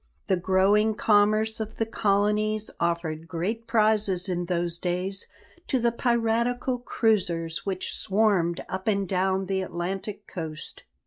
The growing commerce of the colonies offered great prizes in those days to the piratical cruisers which swarmed up and down the Atlantic coast.